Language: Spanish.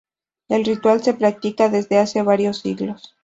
El ritual se practica desde hace varios siglos.